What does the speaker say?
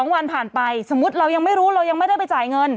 ๒วันผ่านไปสมมุติเรายังไม่รู้เรายังไม่ได้ไปจ่ายเงิน